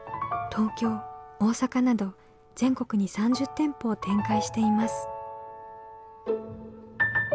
東京大阪など全国に３０店舗を展開しています。